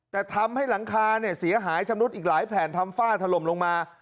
แต่ทำให้หลังคาเนี่ยเสียหายชำรุดอีกหลายแผ่นทำฝ้าถล่มลงมา